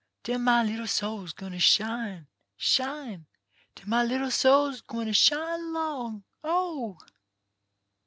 Den my little soul's gwine to shine, shine. Den my little soul's gwine to shine along. Oh